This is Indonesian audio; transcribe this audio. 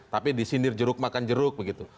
tapi disindir jeruk makan jeruk begitu